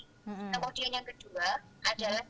kemudian yang kedua